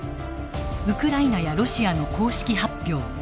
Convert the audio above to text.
ウクライナやロシアの公式発表